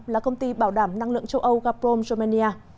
là công ty bảo đảm năng lượng châu âu gaprom romania